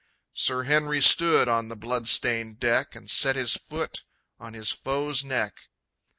Sir Henry stood on the blood stained deck, And set his foot on his foe's neck.